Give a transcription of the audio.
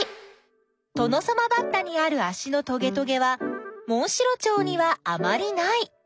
トノサマバッタにあるあしのトゲトゲはモンシロチョウにはあまりない。